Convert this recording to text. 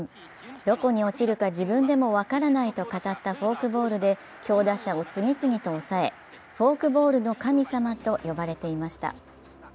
どこに落ちるか自分でも分からないと語ったフォークボールで強打者を次々と抑えフォークボールの神様と呼ばれていました。